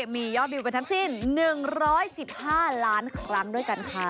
มียอดวิวไปทั้งสิ้น๑๑๕ล้านครั้งด้วยกันค่ะ